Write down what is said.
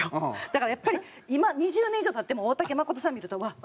だからやっぱり今２０年以上経っても大竹まことさん見るとうわっ！